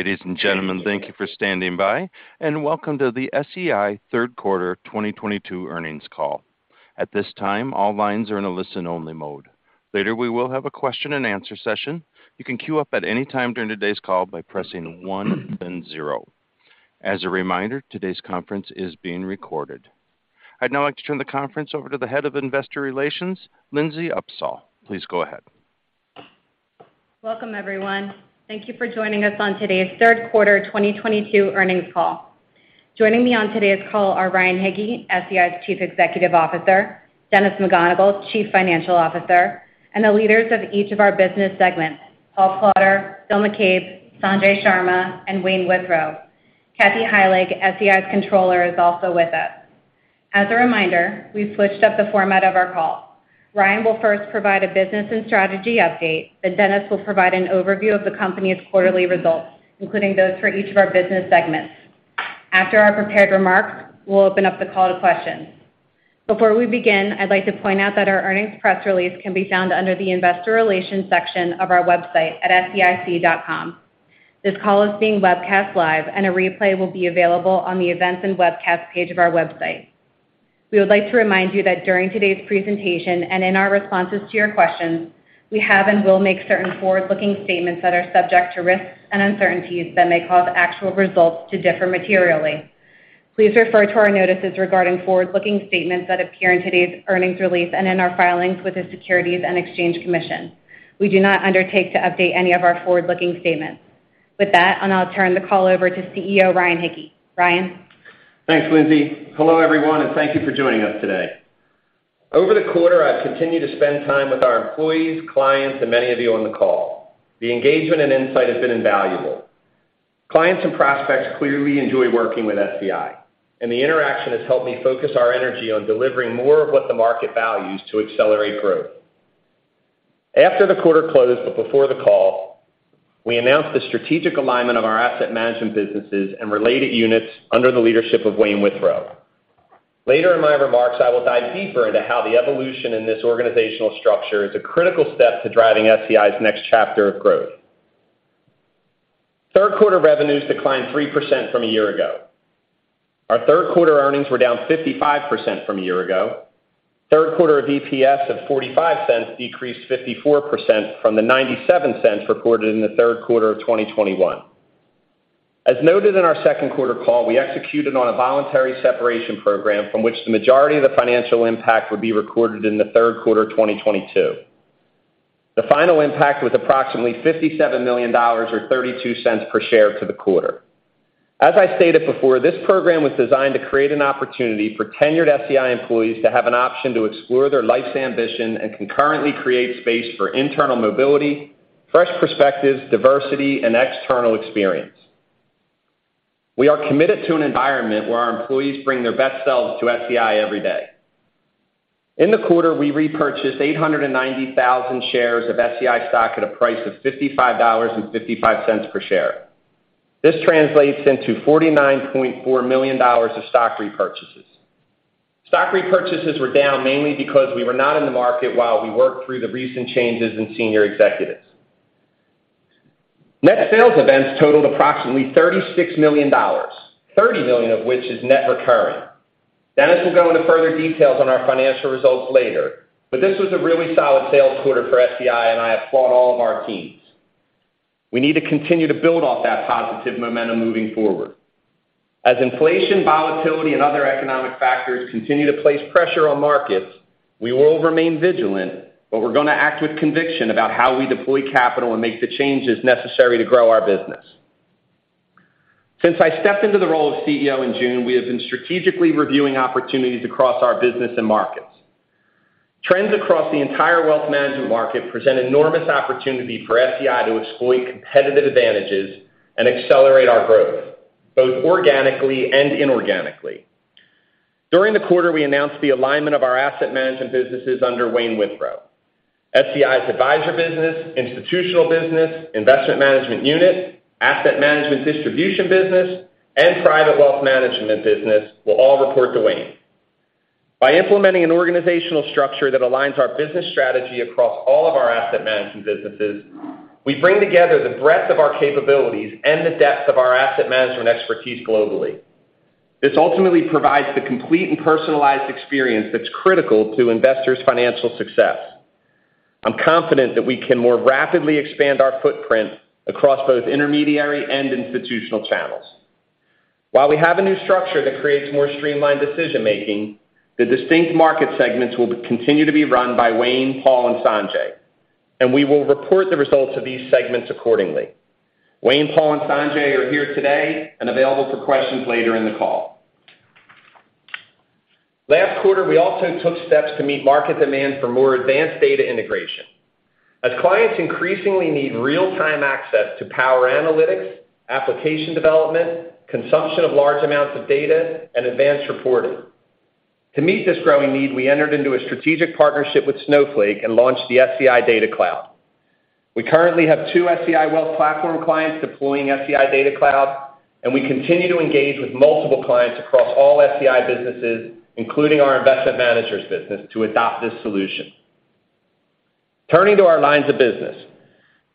Ladies and gentlemen, thank you for standing by, and welcome to the SEI third quarter 2022 earnings call. At this time, all lines are in a listen-only mode. Later, we will have a question-and-answer session. You can queue up at any time during today's call by pressing one then zero. As a reminder, today's conference is being recorded. I'd now like to turn the conference over to the head of investor relations, Lindsey Opsahl. Please go ahead. Welcome, everyone. Thank you for joining us on today's third quarter 2022 earnings call. Joining me on today's call are Ryan Hicke, SEI's Chief Executive Officer, Dennis McGonigle, Chief Financial Officer, and the leaders of each of our business segments, Paul Klauder, Phil McCabe, Sanjay Sharma, and Wayne Withrow. Kathy C. Heilig, SEI's Controller, is also with us. As a reminder, we've switched up the format of our call. Ryan will first provide a business and strategy update, then Dennis will provide an overview of the company's quarterly results, including those for each of our business segments. After our prepared remarks, we'll open up the call to questions. Before we begin, I'd like to point out that our earnings press release can be found under the Investor Relations section of our website at seic.com. This call is being webcast live and a replay will be available on the Events and Webcasts page of our website. We would like to remind you that during today's presentation and in our responses to your questions, we have and will make certain forward-looking statements that are subject to risks and uncertainties that may cause actual results to differ materially. Please refer to our notices regarding forward-looking statements that appear in today's earnings release and in our filings with the Securities and Exchange Commission. We do not undertake to update any of our forward-looking statements. With that, I'll now turn the call over to CEO Ryan Hicke. Ryan? Thanks, Lindsey. Hello, everyone, and thank you for joining us today. Over the quarter, I've continued to spend time with our employees, clients, and many of you on the call. The engagement and insight has been invaluable. Clients and prospects clearly enjoy working with SEI, and the interaction has helped me focus our energy on delivering more of what the market values to accelerate growth. After the quarter closed, but before the call, we announced the strategic alignment of our asset management businesses and related units under the leadership of Wayne Withrow. Later in my remarks, I will dive deeper into how the evolution in this organizational structure is a critical step to driving SEI's next chapter of growth. Third quarter revenues declined 3% from a year ago. Our third quarter earnings were down 55% from a year ago. Third quarter EPS of 45 cents decreased 54% from the $0.97 reported in the third quarter of 2021. As noted in our second quarter call, we executed on a voluntary separation program from which the majority of the financial impact would be recorded in the third quarter 2022. The final impact was approximately $57 million or $0.32 per share to the quarter. As I stated before, this program was designed to create an opportunity for tenured SEI employees to have an option to explore their life's ambition and concurrently create space for internal mobility, fresh perspectives, diversity, and external experience. We are committed to an environment where our employees bring their best selves to SEI every day. In the quarter, we repurchased 890,000 shares of SEI stock at a price of $55.55 per share. This translates into $49.4 million of stock repurchases. Stock repurchases were down mainly because we were not in the market while we worked through the recent changes in senior executives. Net sales events totaled approximately $36 million, $30 million of which is net recurring. Dennis will go into further details on our financial results later, but this was a really solid sales quarter for SEI, and I applaud all of our teams. We need to continue to build off that positive momentum moving forward. As inflation, volatility, and other economic factors continue to place pressure on markets, we will remain vigilant, but we're going to act with conviction about how we deploy capital and make the changes necessary to grow our business. Since I stepped into the role of CEO in June, we have been strategically reviewing opportunities across our business and markets. Trends across the entire wealth management market present enormous opportunity for SEI to exploit competitive advantages and accelerate our growth, both organically and inorganically. During the quarter, we announced the alignment of our asset management businesses under Wayne Withrow. SEI's advisor business, institutional business, investment management unit, asset management distribution business, and private wealth management business will all report to Wayne. By implementing an organizational structure that aligns our business strategy across all of our asset management businesses, we bring together the breadth of our capabilities and the depth of our asset management expertise globally. This ultimately provides the complete and personalized experience that's critical to investors' financial success. I'm confident that we can more rapidly expand our footprint across both intermediary and institutional channels. While we have a new structure that creates more streamlined decision-making, the distinct market segments will continue to be run by Wayne, Paul, and Sanjay, and we will report the results of these segments accordingly. Wayne, Paul, and Sanjay are here today and available for questions later in the call. Last quarter, we also took steps to meet market demand for more advanced data integration as clients increasingly need real-time access to power analytics, application development, consumption of large amounts of data, and advanced reporting. To meet this growing need, we entered into a strategic partnership with Snowflake and launched the SEI Data Cloud. We currently have two SEI Wealth Platform clients deploying SEI Data Cloud, and we continue to engage with multiple clients across all SEI businesses, including our investment managers business, to adopt this solution. Turning to our lines of business.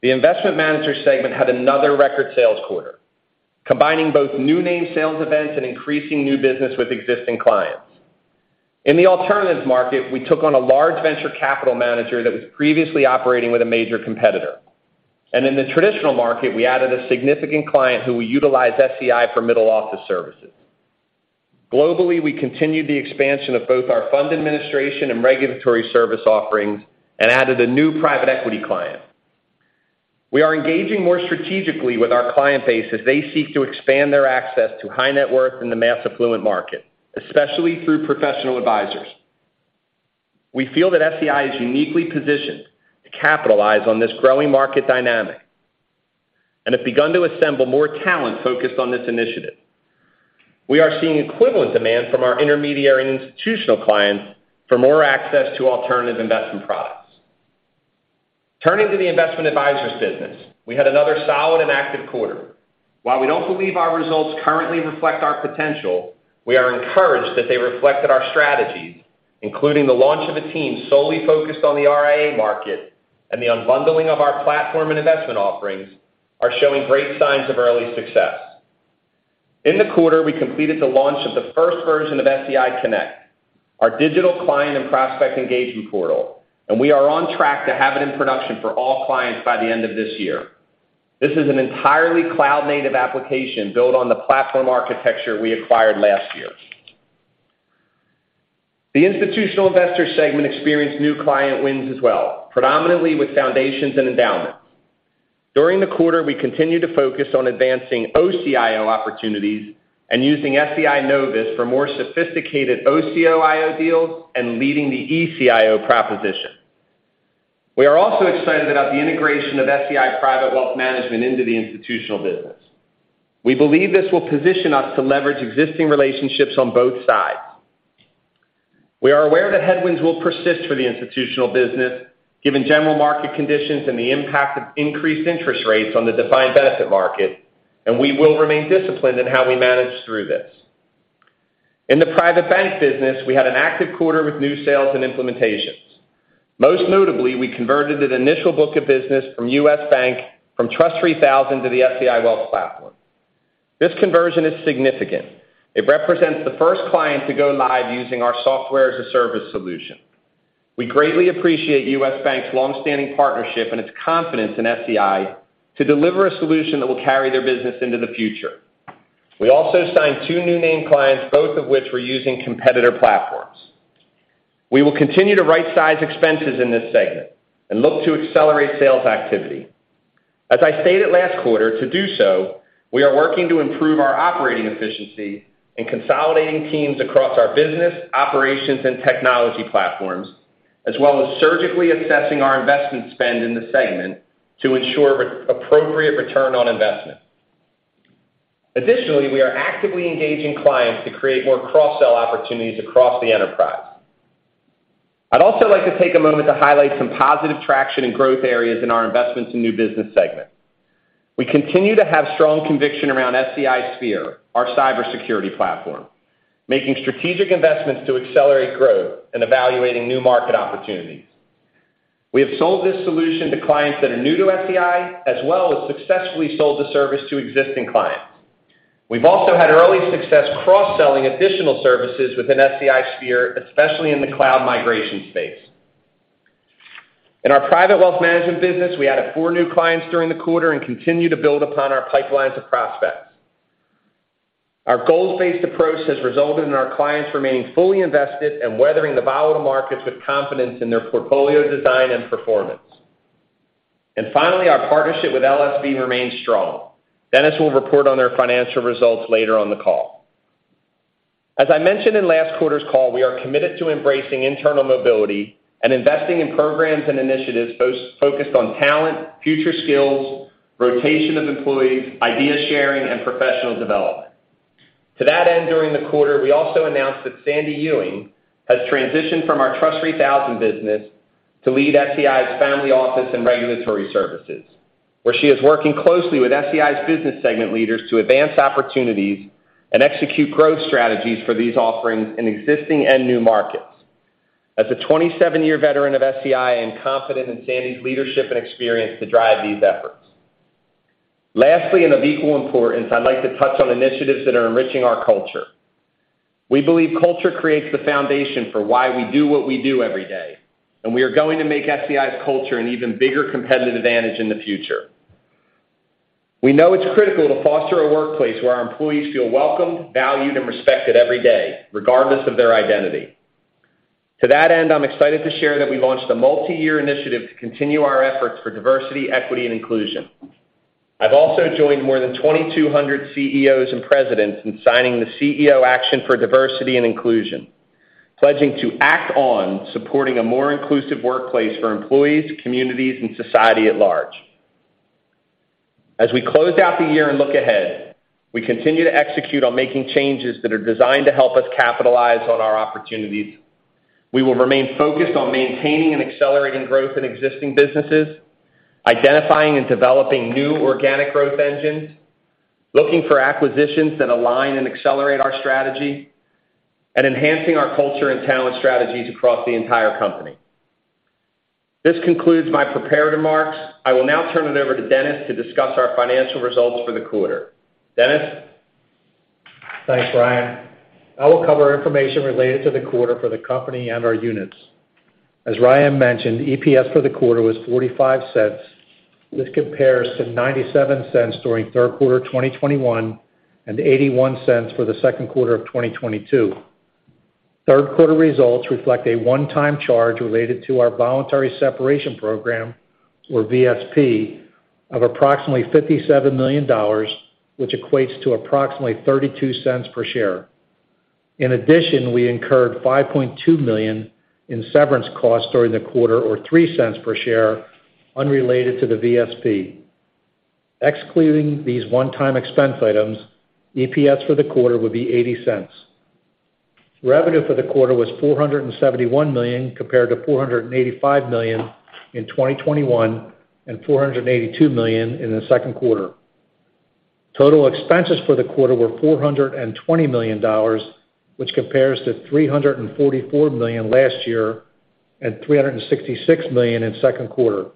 The investment manager segment had another record sales quarter, combining both new name sales events and increasing new business with existing clients. In the alternatives market, we took on a large venture capital manager that was previously operating with a major competitor. In the traditional market, we added a significant client who will utilize SEI for middle-office services. Globally, we continued the expansion of both our fund administration and regulatory service offerings and added a new private equity client. We are engaging more strategically with our client base as they seek to expand their access to high net worth in the mass affluent market, especially through professional advisors. We feel that SEI is uniquely positioned to capitalize on this growing market dynamic and have begun to assemble more talent focused on this initiative. We are seeing equivalent demand from our intermediary and institutional clients for more access to alternative investment products. Turning to the investment advisors business. We had another solid and active quarter. While we don't believe our results currently reflect our potential, we are encouraged that they reflected our strategies, including the launch of a team solely focused on the RIA market and the unbundling of our platform and investment offerings are showing great signs of early success. In the quarter, we completed the launch of the first version of SEI Connect, our digital client and prospect engagement portal, and we are on track to have it in production for all clients by the end of this year. This is an entirely cloud-native application built on the platform architecture we acquired last year. The institutional investor segment experienced new client wins as well, predominantly with foundations and endowments. During the quarter, we continued to focus on advancing OCIO opportunities and using SEI Novus for more sophisticated OCIO deals and leading the eCIO proposition. We are also excited about the integration of SEI Private Wealth Management into the institutional business. We believe this will position us to leverage existing relationships on both sides. We are aware that headwinds will persist for the institutional business given general market conditions and the impact of increased interest rates on the defined benefit market, and we will remain disciplined in how we manage through this. In the private bank business, we had an active quarter with new sales and implementations. Most notably, we converted an initial book of business from U.S. Bank from TRUST 3000 to the SEI Wealth Platform. This conversion is significant. It represents the first client to go live using our software-as-a-service solution. We greatly appreciate U.S. Bank's long-standing partnership and its confidence in SEI to deliver a solution that will carry their business into the future. We also signed two new named clients, both of which were using competitor platforms. We will continue to right-size expenses in this segment and look to accelerate sales activity. As I stated last quarter, to do so, we are working to improve our operating efficiency and consolidating teams across our business, operations, and technology platforms, as well as surgically assessing our investment spend in the segment to ensure appropriate return on investment. Additionally, we are actively engaging clients to create more cross-sell opportunities across the enterprise. I'd also like to take a moment to highlight some positive traction and growth areas in our investments and new business segment. We continue to have strong conviction around SEI Sphere, our cybersecurity platform, making strategic investments to accelerate growth and evaluating new market opportunities. We have sold this solution to clients that are new to SEI, as well as successfully sold the service to existing clients. We've also had early success cross-selling additional services within SEI Sphere, especially in the cloud migration space. In our private wealth management business, we added four new clients during the quarter and continue to build upon our pipelines of prospects. Our goals-based approach has resulted in our clients remaining fully invested and weathering the volatile markets with confidence in their portfolio design and performance. Finally, our partnership with LSV remains strong. Dennis will report on their financial results later on the call. As I mentioned in last quarter's call, we are committed to embracing internal mobility and investing in programs and initiatives focused on talent, future skills, rotation of employees, idea sharing, and professional development. To that end, during the quarter, we also announced that Sandy Ewing has transitioned from our TRUST 3000 business to lead SEI's Family Office Services, where she is working closely with SEI's business segment leaders to advance opportunities and execute growth strategies for these offerings in existing and new markets. As a 27-year veteran of SEI, I am confident in Sandy's leadership and experience to drive these efforts. Lastly, and of equal importance, I'd like to touch on initiatives that are enriching our culture. We believe culture creates the foundation for why we do what we do every day, and we are going to make SEI's culture an even bigger competitive advantage in the future. We know it's critical to foster a workplace where our employees feel welcomed, valued, and respected every day, regardless of their identity. To that end, I'm excited to share that we launched a multi-year initiative to continue our efforts for diversity, equity, and inclusion. I've also joined more than 2,200 CEOs and presidents in signing the CEO Action for Diversity & Inclusion, pledging to act on supporting a more inclusive workplace for employees, communities, and society at large. As we close out the year and look ahead, we continue to execute on making changes that are designed to help us capitalize on our opportunities. We will remain focused on maintaining and accelerating growth in existing businesses, identifying and developing new organic growth engines, looking for acquisitions that align and accelerate our strategy. Enhancing our culture and talent strategies across the entire company. This concludes my prepared remarks. I will now turn it over to Dennis to discuss our financial results for the quarter. Dennis? Thanks, Ryan. I will cover information related to the quarter for the company and our units. As Ryan mentioned, EPS for the quarter was $0.45. This compares to $0.97 during third quarter 2021 and $0.81 for the second quarter of 2022. Third quarter results reflect a one-time charge related to our voluntary separation program, or VSP, of approximately $57 million, which equates to approximately $0.32 per share. In addition, we incurred $5.2 million in severance costs during the quarter, or $0.03 per share, unrelated to the VSP. Excluding these one-time expense items, EPS for the quarter would be $0.80. Revenue for the quarter was $471 million compared to $485 million in 2021 and $482 million in the second quarter. Total expenses for the quarter were $420 million, which compares to $344 million last year and $366 million in second quarter.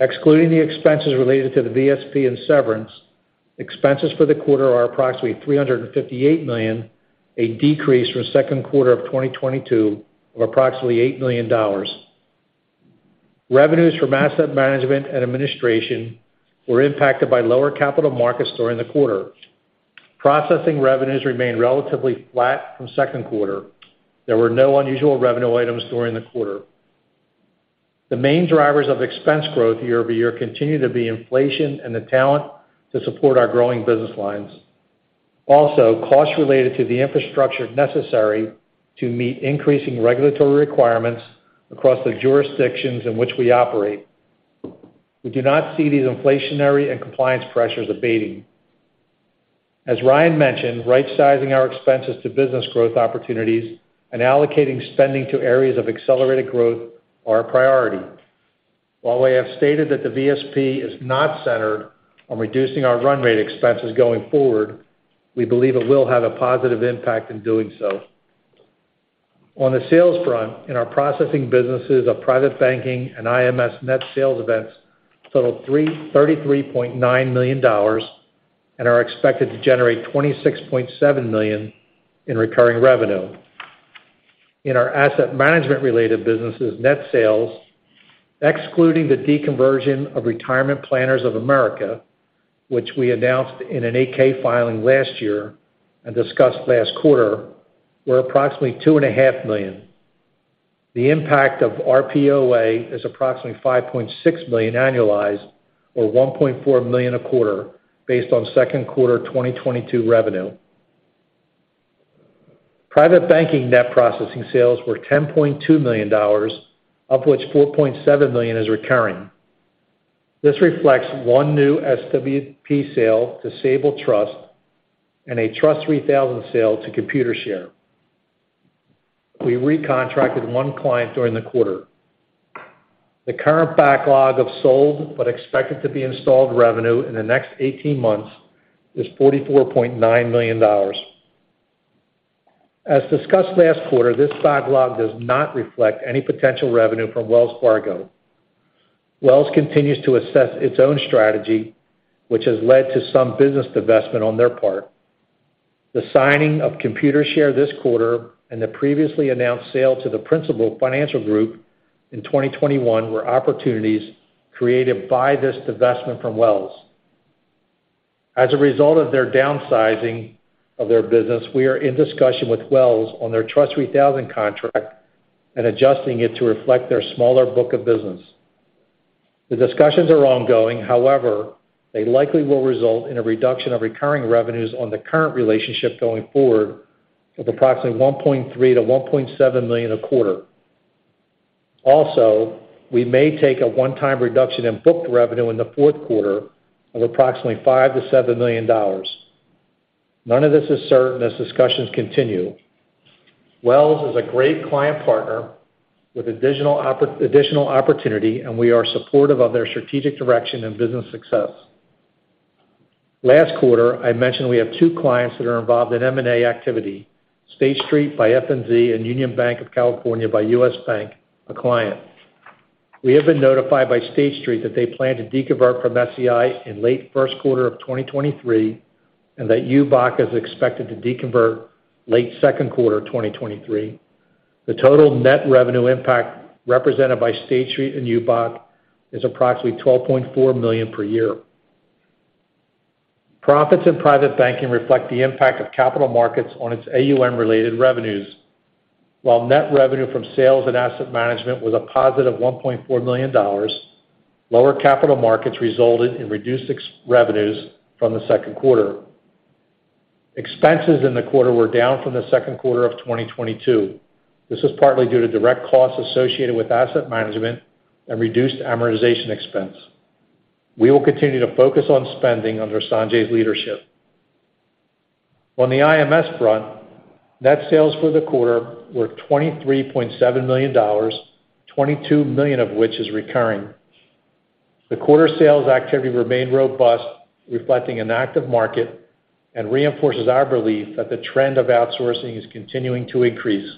Excluding the expenses related to the VSP and severance, expenses for the quarter are approximately $358 million, a decrease from second quarter of 2022 of approximately $8 million. Revenues from asset management and administration were impacted by lower capital markets during the quarter. Processing revenues remained relatively flat from second quarter. There were no unusual revenue items during the quarter. The main drivers of expense growth year over year continue to be inflation and the talent to support our growing business lines. Costs related to the infrastructure necessary to meet increasing regulatory requirements across the jurisdictions in which we operate. We do not see these inflationary and compliance pressures abating. As Ryan mentioned, rightsizing our expenses to business growth opportunities and allocating spending to areas of accelerated growth are a priority. While we have stated that the VSP is not centered on reducing our run rate expenses going forward, we believe it will have a positive impact in doing so. On the sales front, in our processing businesses of private banking and IMS, net sales events totaled $33.9 million and are expected to generate $26.7 in recurring revenue. In our asset management-related businesses, net sales, excluding the deconversion of Retirement Planners of America, which we announced in an 8-K filing last year and discussed last quarter, were approximately $2.5 Million. The impact of RPOA is approximately $5.6 million annualized or $1.4 million a quarter based on second quarter 2022 revenue. Private banking net processing sales were $10.2 million, of which $4.7 million is recurring. This reflects one new SWP sale to Sabal Trust and a TRUST 3000 sale to Computershare. We recontracted one client during the quarter. The current backlog of sold but expected to be installed revenue in the next 18 months is $44.9 million. As discussed last quarter, this backlog does not reflect any potential revenue from Wells Fargo. Wells continues to assess its own strategy, which has led to some business divestment on their part. The signing of Computershare this quarter and the previously announced sale to the Principal Financial Group in 2021 were opportunities created by this divestment from Wells. As a result of their downsizing of their business, we are in discussion with Wells on their TRUST 3000 contract and adjusting it to reflect their smaller book of business. The discussions are ongoing. However, they likely will result in a reduction of recurring revenues on the current relationship going forward of approximately $1.3 million-$1.7 million a quarter. Also, we may take a one-time reduction in booked revenue in the fourth quarter of approximately $5-$7 million. None of this is certain as discussions continue. Wells is a great client partner with additional opportunity, and we are supportive of their strategic direction and business success. Last quarter, I mentioned we have two clients that are involved in M&A activity, State Street by FNZ and Union Bank of California by U.S. Bank, a client. We have been notified by State Street that they plan to deconvert from SEI in late first quarter of 2023 and that UBOC is expected to deconvert late second quarter 2023. The total net revenue impact represented by State Street and UBOC is approximately $12.4 million per year. Profits in private banking reflect the impact of capital markets on its AUM-related revenues, while net revenue from sales and asset management was +$1.4 million. Lower capital markets resulted in reduced revenues from the second quarter. Expenses in the quarter were down from the second quarter of 2022. This is partly due to direct costs associated with asset management and reduced amortization expense. We will continue to focus on spending under Sanjay's leadership. On the IMS front, net sales for the quarter were $23.7 million, $22 million of which is recurring. The quarter sales activity remained robust, reflecting an active market, and reinforces our belief that the trend of outsourcing is continuing to increase.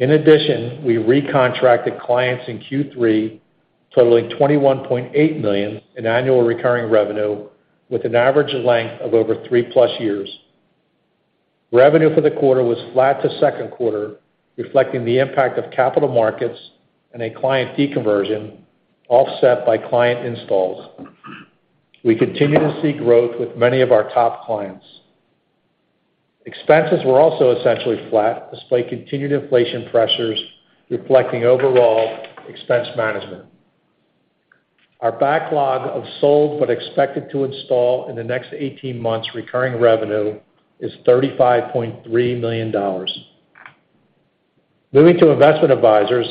In addition, we recontracted clients in Q3 totaling $21.8 million in annual recurring revenue with an average length of over 3+ years. Revenue for the quarter was flat to second quarter, reflecting the impact of capital markets and a client deconversion offset by client installs. We continue to see growth with many of our top clients. Expenses were also essentially flat despite continued inflation pressures reflecting overall expense management. Our backlog of sold but expected to install in the next 18 months recurring revenue is $35.3 million. Moving to investment advisors.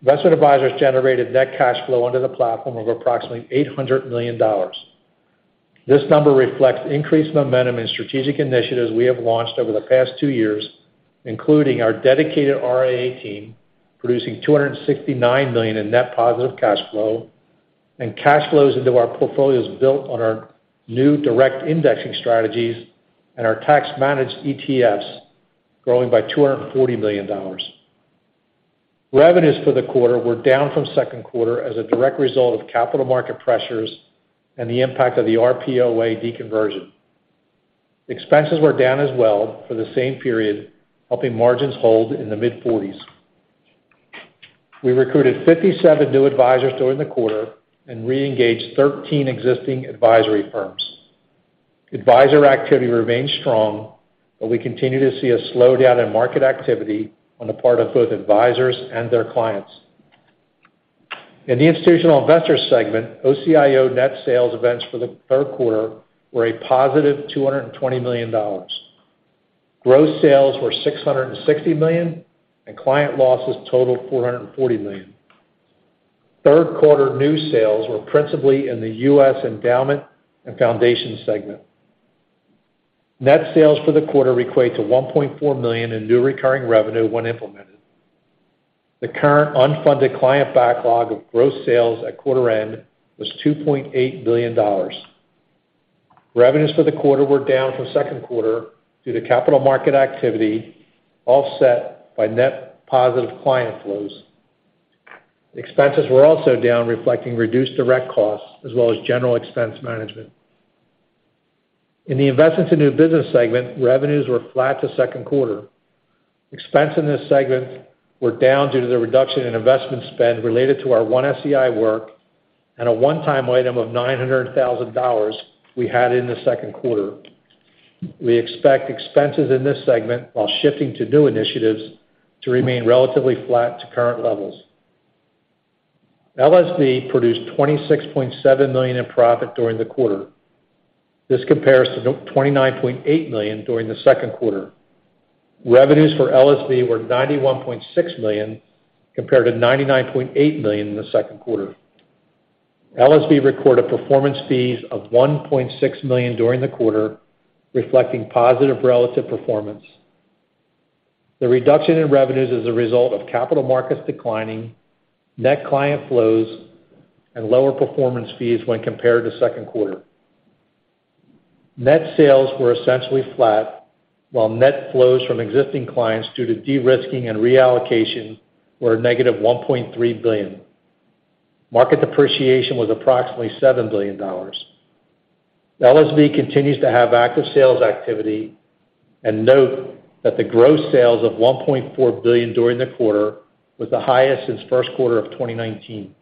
Investment advisors generated net cash flow under the platform of approximately $800 million. This number reflects increased momentum in strategic initiatives we have launched over the past two years, including our dedicated RAA team, producing $269 million in net positive cash flow, and cash flows into our portfolios built on our new direct indexing strategies and our tax-managed ETFs growing by $240 million. Revenues for the quarter were down from second quarter as a direct result of capital market pressures and the impact of the RPOA deconversion. Expenses were down as well for the same period, helping margins hold in the mid-40s%. We recruited 57 new advisors during the quarter and re-engaged 13 existing advisory firms. Advisor activity remains strong, but we continue to see a slowdown in market activity on the part of both advisors and their clients. In the institutional investor segment, OCIO net sales events for the third quarter were a positive $220 million. Gross sales were $660 million, and client losses totaled $440 million. Third quarter new sales were principally in the U.S. endowment and foundation segment. Net sales for the quarter equate to $1.4 million in new recurring revenue when implemented. The current unfunded client backlog of gross sales at quarter end was $2.8 billion. Revenues for the quarter were down from second quarter due to capital market activity, offset by net positive client flows. Expenses were also down, reflecting reduced direct costs as well as general expense management. In the investment to new business segment, revenues were flat to second quarter. Expenses in this segment were down due to the reduction in investment spend related to our 1SEI work and a one-time item of $900,000 we had in the second quarter. We expect expenses in this segment, while shifting to new initiatives, to remain relatively flat to current levels. LSV produced $26.7 million in profit during the quarter. This compares to $29.8 million during the second quarter. Revenues for LSV were $91.6 million compared to $99.8 million in the second quarter. LSV recorded performance fees of $1.6 million during the quarter, reflecting positive relative performance. The reduction in revenues is a result of capital markets declining, net client flows, and lower performance fees when compared to second quarter. Net sales were essentially flat, while net flows from existing clients due to de-risking and reallocation were negative $1.3 billion. Market depreciation was approximately $7 billion. LSV continues to have active sales activity, and note that the gross sales of $1.4 billion during the quarter was the highest since first quarter of 2019.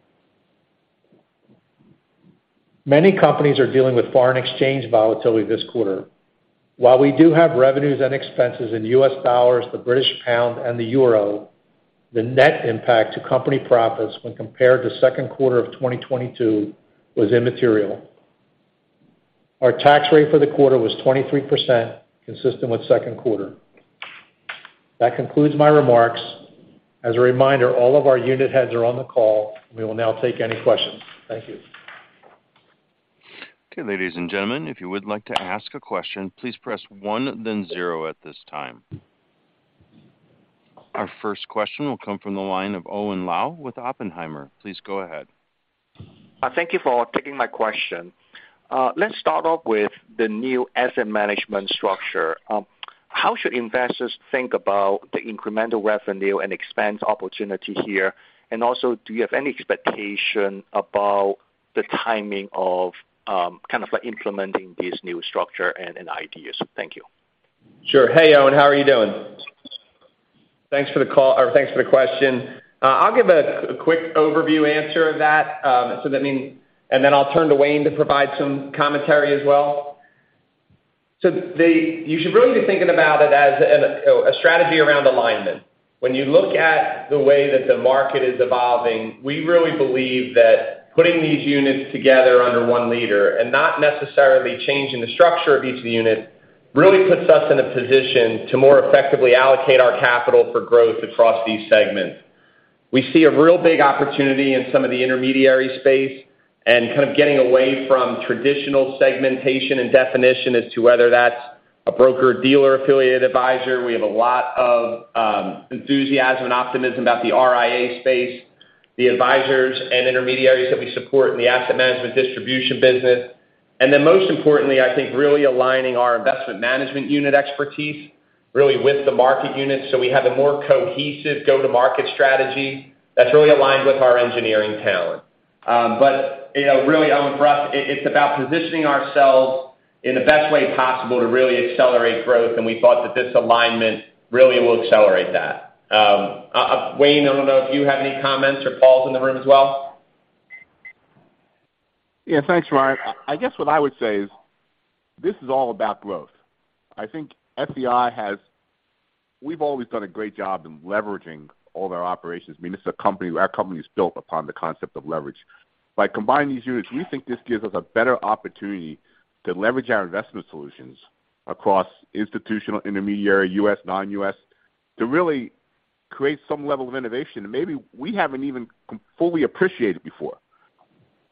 Many companies are dealing with foreign exchange volatility this quarter. While we do have revenues and expenses in U.S. dollars, the British pound, and the euro, the net impact to company profits when compared to second quarter of 2022 was immaterial. Our tax rate for the quarter was 23%, consistent with second quarter. That concludes my remarks. As a reminder, all of our unit heads are on the call, and we will now take any questions. Thank you. Okay, ladies and gentlemen, if you would like to ask a question, please press one then zero at this time. Our first question will come from the line of Owen Lau with Oppenheimer. Please go ahead. Thank you for taking my question. Let's start off with the new asset management structure. How should investors think about the incremental revenue and expense opportunity here? Do you have any expectation about the timing of kind of like implementing this new structure and ideas? Thank you. Sure. Hey, Owen, how are you doing? Thanks for the call or thanks for the question. I'll give a quick overview answer of that. I'll turn to Wayne to provide some commentary as well. You should really be thinking about it as a strategy around alignment. When you look at the way that the market is evolving, we really believe that putting these units together under one leader and not necessarily changing the structure of each unit really puts us in a position to more effectively allocate our capital for growth across these segments. We see a real big opportunity in some of the intermediary space and kind of getting away from traditional segmentation and definition as to whether that's a broker-dealer affiliated advisor. We have a lot of enthusiasm and optimism about the RIA space, the advisors and intermediaries that we support in the asset management distribution business. Most importantly, I think really aligning our investment management unit expertise really with the market units, so we have a more cohesive go-to-market strategy that's really aligned with our engineering talent. You know, really, Owen, for us, it's about positioning ourselves in the best way possible to really accelerate growth, and we thought that this alignment really will accelerate that. Wayne, I don't know if you have any comments, or Paul's in the room as well. Yeah. Thanks, Ryan. I guess what I would say is this is all about growth. I think we've always done a great job in leveraging all of our operations. I mean, our company is built upon the concept of leverage. By combining these units, we think this gives us a better opportunity to leverage our investment solutions across institutional, intermediary, U.S., non-U.S., to really create some level of innovation that maybe we haven't even fully appreciated before.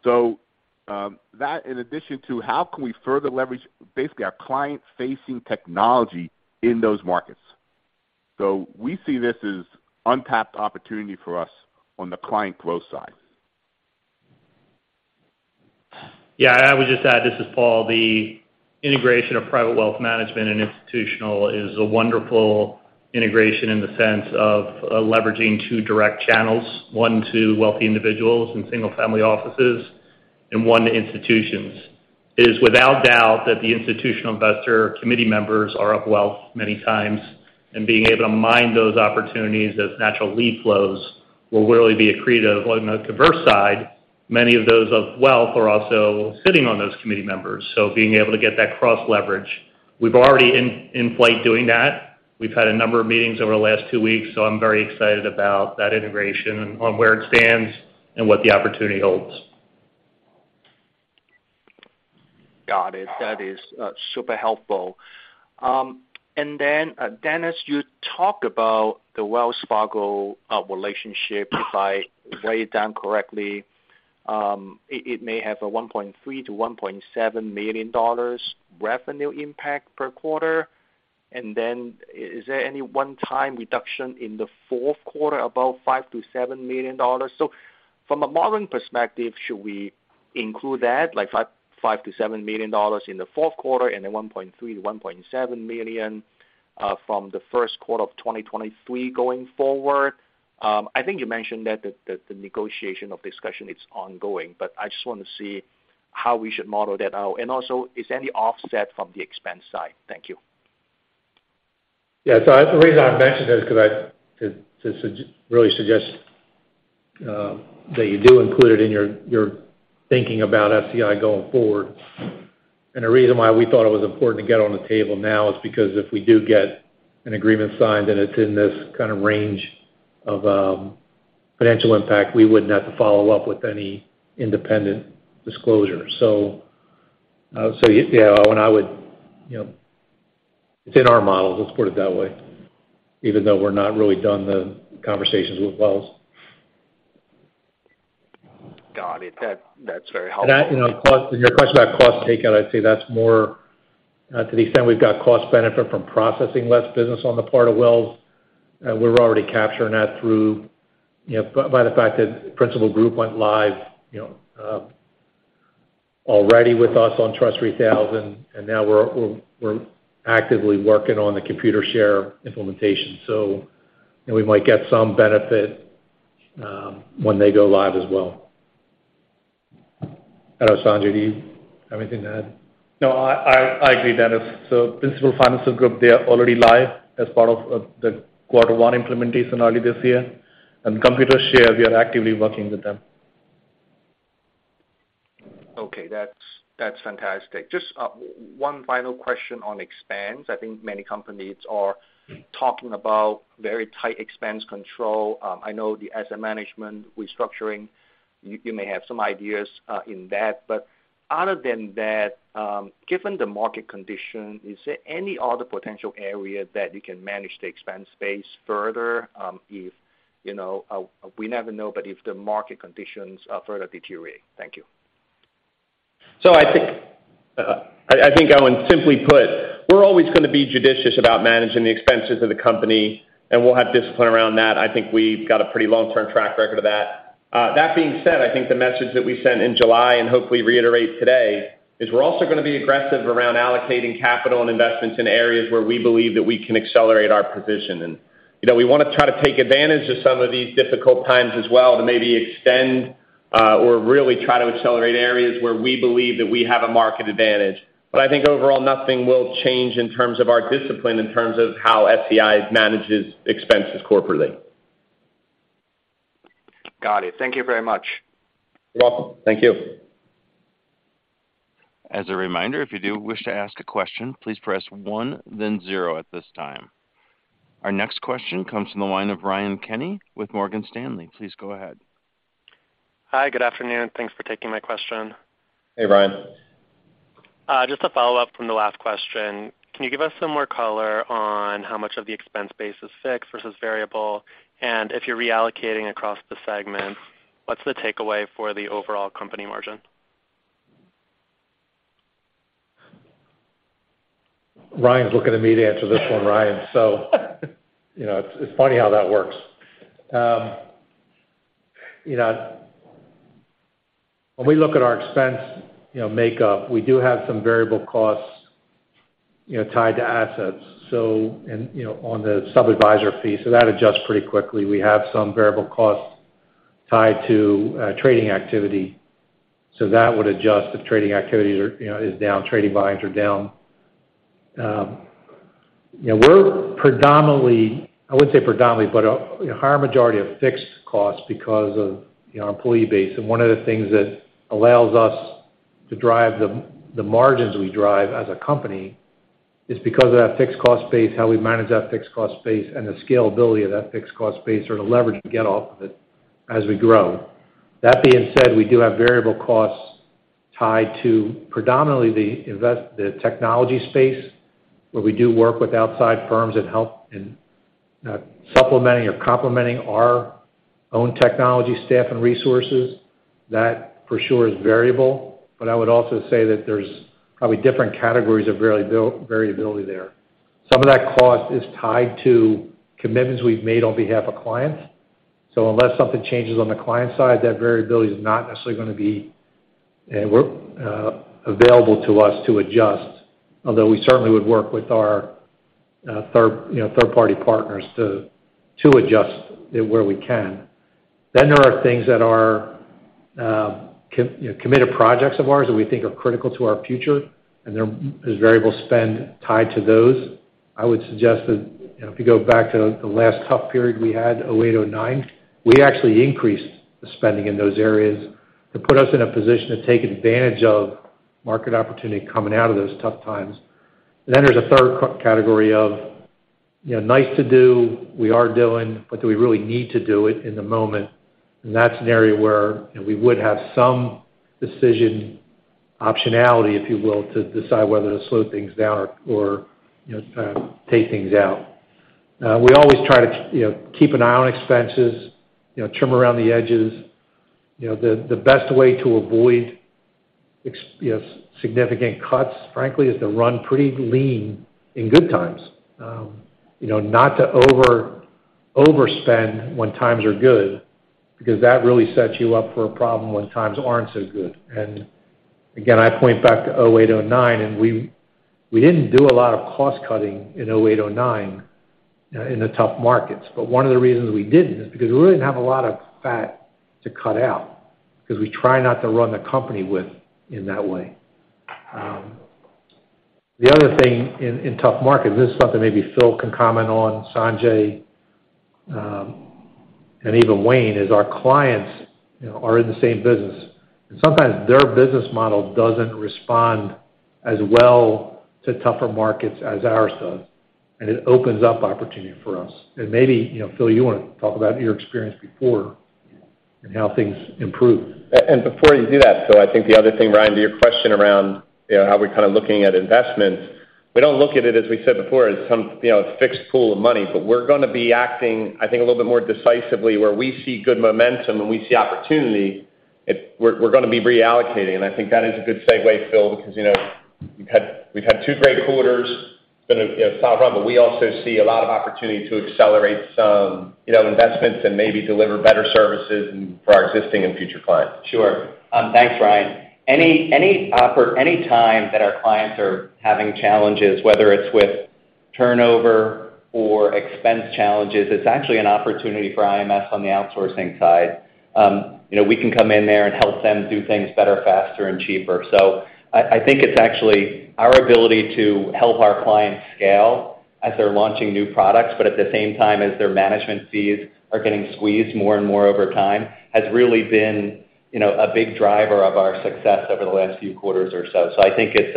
That in addition to how we can further leverage basically our client-facing technology in those markets. We see this as untapped opportunity for us on the client growth side. Yeah, I would just add, this is Paul. The integration of private wealth management and institutional is a wonderful integration in the sense of leveraging two direct channels, one to wealthy individuals and single family offices and one to institutions. It is without doubt that the institutional investor committee members are of wealth many times, and being able to mine those opportunities as natural lead flows will really be accretive. On the converse side, many of those of wealth are also sitting on those committee members, so being able to get that cross leverage. We've already in flight doing that. We've had a number of meetings over the last two weeks, so I'm very excited about that integration on where it stands and what the opportunity holds. Got it. That is super helpful. Dennis, you talked about the Wells Fargo relationship. If I wrote it down correctly, it may have a $1.3 million-$1.7 million revenue impact per quarter. Is there any one-time reduction in the fourth quarter, about $5 million-$7 million? From a modeling perspective, should we include that $5 million-$7 million in the fourth quarter and then $1.3 million-$1.7 million from the first quarter of 2023 going forward? I think you mentioned that the negotiation or discussion is ongoing, but I just want to see how we should model that out. Is there any offset from the expense side? Thank you. The reason I mentioned that is 'cause I really suggest that you do include it in your thinking about FCI going forward. The reason why we thought it was important to get on the table now is because if we do get an agreement signed, and it's in this kind of range of financial impact, we wouldn't have to follow up with any independent disclosure. Yeah, and I would, you know, it's in our models, let's put it that way, even though we're not really done with the conversations with Wells Fargo. Got it. That's very helpful. That, you know, cost and your question about cost takeout, I'd say that's more to the extent we've got cost benefit from processing less business on the part of Wells Fargo. We're already capturing that through, you know, by the fact that Principal Financial Group went live, you know, already with us on TRUST 3000, and now we're actively working on the Computershare implementation. You know, we might get some benefit when they go live as well. I don't know, Sanjay, do you have anything to add? No, I agree, Dennis. Principal Financial Group, they are already live as part of the quarter one implementation early this year. Computershare, we are actively working with them. Okay. That's fantastic. Just one final question on expense. I think many companies are talking about very tight expense control. I know the asset management restructuring, you may have some ideas in that. Other than that, given the market condition, is there any other potential area that you can manage the expense base further, if you know, we never know, but if the market conditions further deteriorate? Thank you. I think, Owen, simply put, we're always gonna be judicious about managing the expenses of the company, and we'll have discipline around that. I think we've got a pretty long-term track record of that. That being said, I think the message that we sent in July and hopefully reiterate today is we're also gonna be aggressive around allocating capital and investments in areas where we believe that we can accelerate our position. You know, we wanna try to take advantage of some of these difficult times as well to maybe extend or really try to accelerate areas where we believe that we have a market advantage. I think overall nothing will change in terms of our discipline, in terms of how SEI manages expenses corporately. Got it. Thank you very much. You're welcome. Thank you. As a reminder, if you do wish to ask a question, please press one then zero at this time. Our next question comes from the line of Ryan Kenny with Morgan Stanley. Please go ahead. Hi, good afternoon. Thanks for taking my question. Hey, Ryan. Just a follow-up from the last question. Can you give us some more color on how much of the expense base is fixed versus variable? If you're reallocating across the segments, what's the takeaway for the overall company margin? Ryan's looking at me to answer this one, Ryan. You know, it's funny how that works. You know, when we look at our expense makeup, we do have some variable costs, you know, tied to assets. You know, on the sub-advisor fee, so that adjusts pretty quickly. We have some variable costs tied to trading activity, so that would adjust if trading activity is down, trading volumes are down. You know, we're predominantly, I wouldn't say predominantly, but a higher majority of fixed costs because of, you know, employee base. One of the things that allows us to drive the margins we drive as a company is because of that fixed cost base, how we manage that fixed cost base, and the scalability of that fixed cost base or the leverage we get off of it as we grow. That being said, we do have variable costs tied to predominantly the technology space, where we do work with outside firms and help in supplementing or complementing our own technology, staff, and resources. That for sure is variable. I would also say that there's probably different categories of variability there. Some of that cost is tied to commitments we've made on behalf of clients. Unless something changes on the client side, that variability is not necessarily gonna be available to us to adjust, although we certainly would work with our third-party partners to adjust it where we can. There are things that are committed projects of ours that we think are critical to our future, and there is variable spend tied to those. I would suggest that if you go back to the last tough period we had, 2008, 2009, we actually increased the spending in those areas to put us in a position to take advantage of market opportunity coming out of those tough times. There's a third category of nice to do, we are doing, but do we really need to do it in the moment? That's an area where, you know, we would have some decision optionality, if you will, to decide whether to slow things down or, you know, take things out. We always try to, you know, keep an eye on expenses, you know, trim around the edges. You know, the best way to avoid significant cuts, frankly, is to run pretty lean in good times. You know, not to overspend when times are good because that really sets you up for a problem when times aren't so good. Again, I point back to 2008, 2009, and we didn't do a lot of cost-cutting in 2008, 2009, in the tough markets. One of the reasons we didn't is because we really didn't have a lot of fat to cut out, because we try not to run the company within that way. The other thing in tough markets, this is something maybe Phil can comment on, Sanjay, and even Wayne, is our clients, you know, are in the same business. Sometimes their business model doesn't respond as well to tougher markets as ours does, and it opens up opportunity for us. Maybe, you know, Phil, you wanna talk about your experience before and how things improved. Before you do that, I think the other thing, Ryan, to your question around, you know, how we're kind of looking at investments, we don't look at it, as we said before, as some, you know, fixed pool of money. We're gonna be acting, I think, a little bit more decisively where we see good momentum and we see opportunity. We're gonna be reallocating. I think that is a good segue, Phil, because, you know, we've had two great quarters. It's been a, you know, solid run, but we also see a lot of opportunity to accelerate some, you know, investments and maybe deliver better services for our existing and future clients. Sure. Thanks, Ryan. Any time that our clients are having challenges, whether it's with turnover or expense challenges, it's actually an opportunity for IMS on the outsourcing side. You know, we can come in there and help them do things better, faster, and cheaper. I think it's actually our ability to help our clients scale as they're launching new products, but at the same time, as their management fees are getting squeezed more and more over time, has really been, you know, a big driver of our success over the last few quarters or so. I think it's,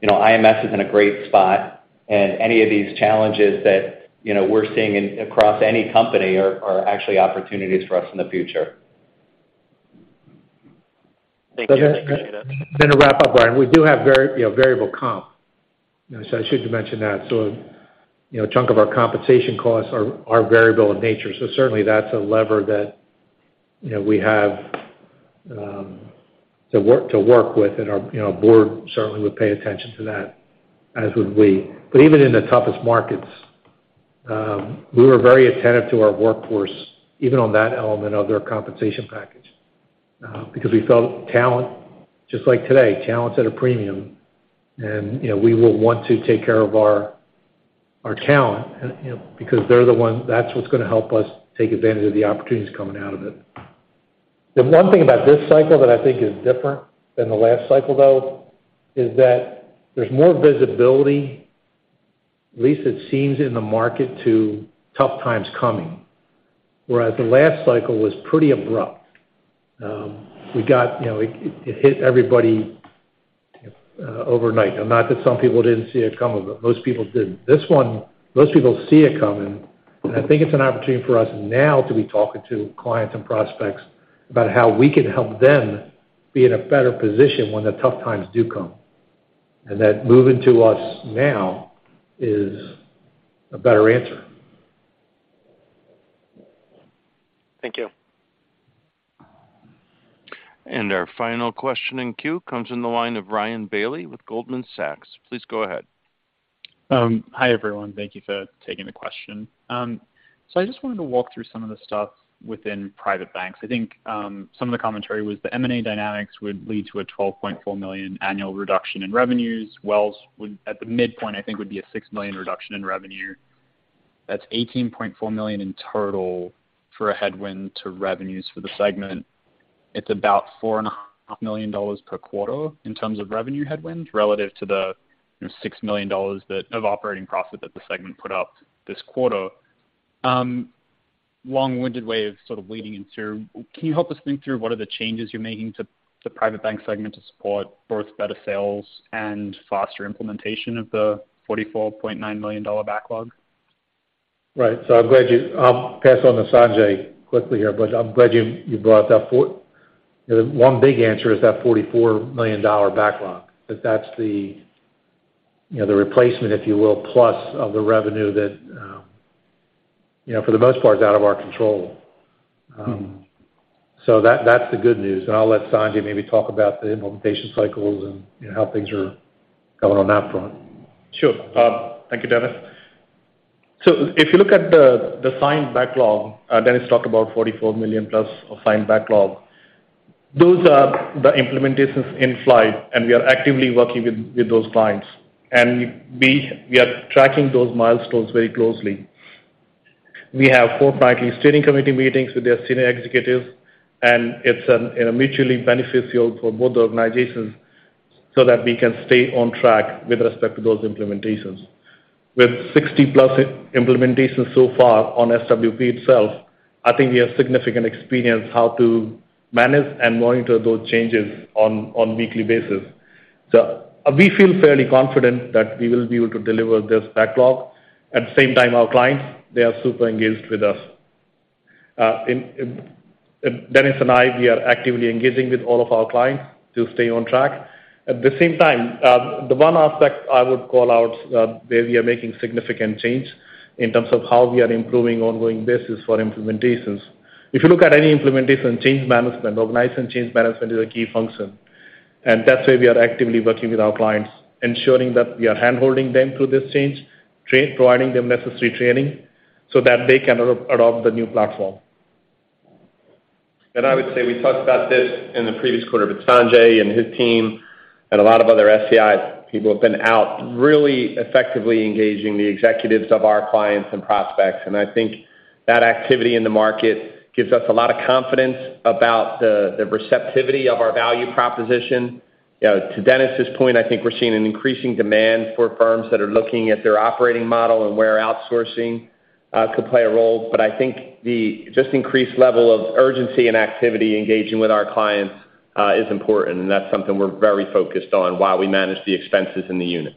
you know, IMS is in a great spot, and any of these challenges that, you know, we're seeing across any company are actually opportunities for us in the future. Thank you. Thank you, Phil. To wrap up, Ryan, we do have variable comp. You know, I should have mentioned that. You know, a chunk of our compensation costs are variable in nature. So certainly that's a lever that, you know, we have to work with, and our, you know, board certainly would pay attention to that, as would we. But even in the toughest markets, we were very attentive to our workforce, even on that element of their compensation package. Because we felt talent, just like today, talent's at a premium, and, you know, we will want to take care of our talent, you know, because they're the ones that's what's gonna help us take advantage of the opportunities coming out of it. The one thing about this cycle that I think is different than the last cycle, though, is that there's more visibility, at least it seems in the market, to tough times coming. Whereas the last cycle was pretty abrupt. You know, it hit everybody overnight. Now, not that some people didn't see it coming, but most people didn't. This one, most people see it coming, and I think it's an opportunity for us now to be talking to clients and prospects about how we can help them be in a better position when the tough times do come, and that moving to us now is a better answer. Thank you. Our final question in queue comes in the line of Ryan Bailey with Goldman Sachs. Please go ahead. Hi, everyone. Thank you for taking the question. I just wanted to walk through some of the stuff within private banks. I think some of the commentary was the M&A dynamics would lead to a $12.4 million annual reduction in revenues. Wells Fargo would, at the midpoint, I think, would be a $6 million reduction in revenue. That's $18.4 million in total for a headwind to revenues for the segment. It's about $4.5 million per quarter in terms of revenue headwinds relative to the, you know, $6 million of operating profit that the segment put up this quarter. Long-winded way of sort of leading into, can you help us think through what are the changes you're making to the private bank segment to support both better sales and faster implementation of the $44.9 million backlog? Right. I'm glad you brought that. The one big answer is that $44 million backlog, that's the, you know, the replacement, if you will, plus of the revenue that, you know, for the most part is out of our control. That, that's the good news. I'll let Sanjay maybe talk about the implementation cycles and, you know, how things are going on that front. Sure. Thank you, Dennis. If you look at the signed backlog, Dennis talked about $44 million+ of signed backlog. Those are the implementations in flight, and we are actively working with those clients. We are tracking those milestones very closely. We have fortnightly steering committee meetings with their senior executives, and it's mutually beneficial for both organizations so that we can stay on track with respect to those implementations. With 60+ implementations so far on SWP itself, I think we have significant experience how to manage and monitor those changes on weekly basis. We feel fairly confident that we will be able to deliver this backlog. At the same time, our clients, they are super engaged with us. Dennis and I, we are actively engaging with all of our clients to stay on track. At the same time, the one aspect I would call out, where we are making significant change in terms of how we are improving ongoing business for implementations. If you look at any implementation, change management, organizing change management is a key function. That's why we are actively working with our clients, ensuring that we are handholding them through this change, providing them necessary training so that they can adopt the new platform. I would say, we talked about this in the previous quarter, but Sanjay and his team and a lot of other SEI people have been out really effectively engaging the executives of our clients and prospects. I think that activity in the market gives us a lot of confidence about the receptivity of our value proposition. You know, to Dennis' point, I think we're seeing an increasing demand for firms that are looking at their operating model and where outsourcing could play a role. I think the just increased level of urgency and activity engaging with our clients is important, and that's something we're very focused on while we manage the expenses in the unit.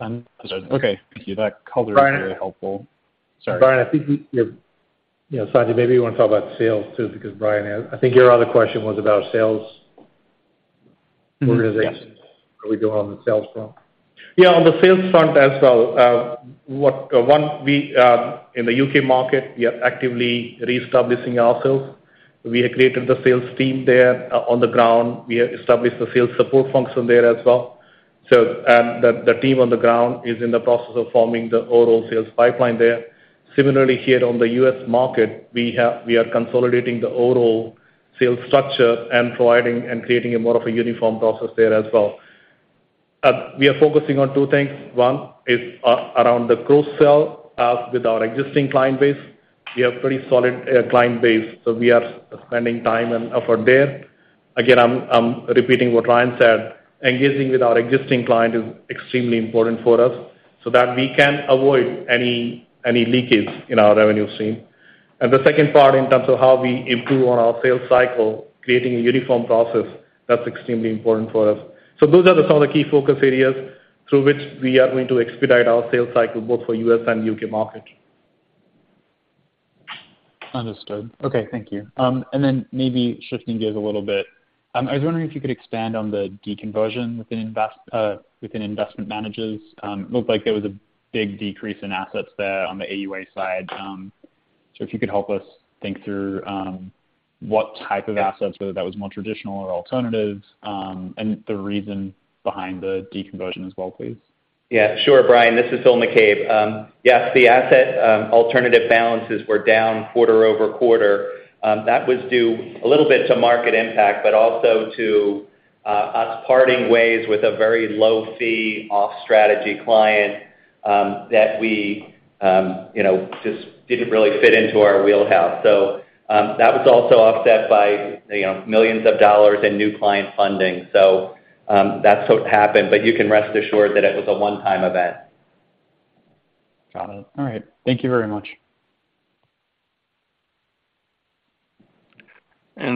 Understood. Okay, thank you. Ryan. is really helpful. Sorry. Ryan Bailey, I think. You know, Sanjay Sharma, maybe you wanna talk about sales too, because Ryan Bailey, I think your other question was about sales organizations. Mm-hmm. Yes. How are we doing on the sales front? Yeah. On the sales front as well, in the U.K. market, we are actively reestablishing ourselves. We have created the sales team there on the ground. We have established the sales support function there as well. The team on the ground is in the process of forming the overall sales pipeline there. Similarly, here on the U.S. market, we are consolidating the overall sales structure and providing and creating a more of a uniform process there as well. We are focusing on two things. One is around the cross-sell with our existing client base. We have pretty solid client base, so we are spending time and effort there. Again, I'm repeating what Ryan said, engaging with our existing client is extremely important for us so that we can avoid any leakage in our revenue stream. The second part in terms of how we improve on our sales cycle, creating a uniform process, that's extremely important for us. Those are some of the key focus areas through which we are going to expedite our sales cycle, both for U.S. and U.K. market. Understood. Okay, thank you. Maybe shifting gears a little bit, I was wondering if you could expand on the deconversion within Investment Managers. It looked like there was a big decrease in assets there on the AUA side. If you could help us think through what type of assets, whether that was more traditional or alternatives, and the reason behind the deconversion as well, please. Yeah, sure, Ryan Bailey. This is Phil McCabe. Yes, the alternative asset balances were down quarter-over-quarter. That was due a little bit to market impact, but also to us parting ways with a very low-fee off-strategy client that we you know just didn't really fit into our wheelhouse. That was also offset by you know millions of dollars in new client funding. That's what happened. You can rest assured that it was a one-time event. Got it. All right. Thank you very much.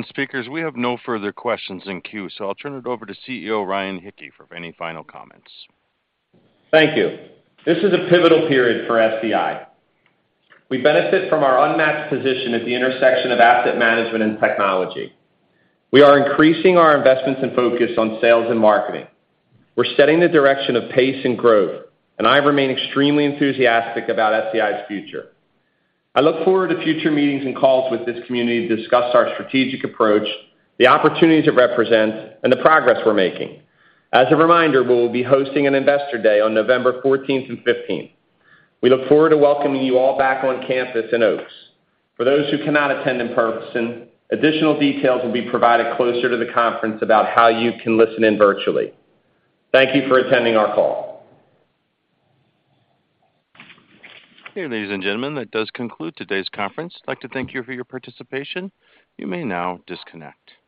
Speakers, we have no further questions in queue, so I'll turn it over to CEO Ryan Hicke for any final comments. Thank you. This is a pivotal period for SEI. We benefit from our unmatched position at the intersection of asset management and technology. We are increasing our investments and focus on sales and marketing. We're setting the direction of pace and growth, and I remain extremely enthusiastic about SEI's future. I look forward to future meetings and calls with this community to discuss our strategic approach, the opportunities it represents, and the progress we're making. As a reminder, we'll be hosting an investor day on November 14th and 15th. We look forward to welcoming you all back on campus in Oaks. For those who cannot attend in person, additional details will be provided closer to the conference about how you can listen in virtually. Thank you for attending our call. Okay, ladies and gentlemen, that does conclude today's conference. I'd like to thank you for your participation. You may now disconnect.